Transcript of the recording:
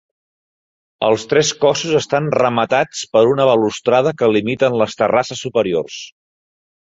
Els tres cossos estan rematats per una balustrada que limiten les terrasses superiors.